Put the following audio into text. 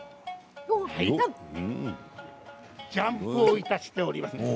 ジャンプをいたしております。